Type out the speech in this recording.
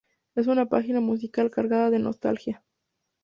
Es una página musical cargada de nostalgia.